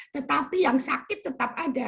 tetapi yang sakit tetap ada